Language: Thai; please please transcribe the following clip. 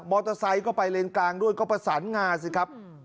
เตอร์ไซค์ก็ไปเลนกลางด้วยก็ประสานงาสิครับ